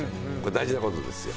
大事な事ですよ。